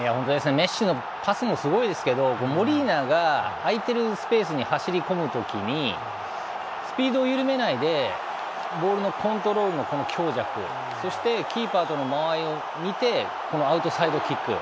メッシのパスもすごいですけどモリナが空いているスペースに走り込む時にスピードをゆるめないでボールのコントロールの強弱そしてキーパーとの間合いを見てアウトサイドキック。